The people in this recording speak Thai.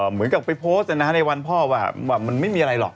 เหมือนกับไปโพสต์ในวันพ่อว่ามันไม่มีอะไรหรอก